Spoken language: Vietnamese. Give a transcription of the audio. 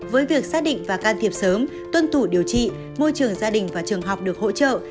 với việc xác định và can thiệp sớm tuân thủ điều trị môi trường gia đình và trường học được hỗ trợ